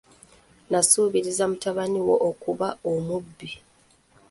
Nasuubiriza mutabani wo okuba omubbi.